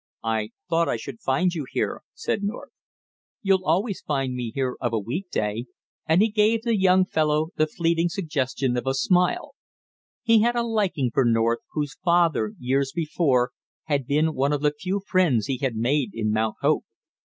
"I thought I should find you here!" said North. "You'll always find me here of a week day," and he gave the young fellow the fleeting suggestion of a smile. He had a liking for North, whose father, years before, had been one of the few friends he had made in Mount Hope.